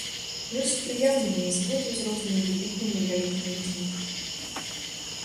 Лёс спрыяў мне і зводзіў з рознымі выбітнымі і вялікімі людзьмі.